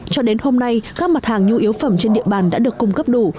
cho đến hôm nay các mặt hàng nhu yếu phẩm trên địa bàn đã được cung cấp đủ